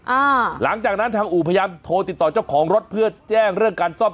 หลังจากนั้นทางอู่พยายามโทรติดต่อเจ้าของรถเพื่อแจ้งเรื่องการซ่อม